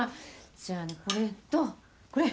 じゃあこれとこれ。